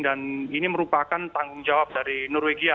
dan ini merupakan tanggung jawab dari norwegia